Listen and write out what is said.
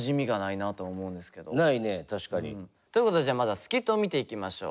確かに。ということでじゃあまずはスキットを見ていきましょう。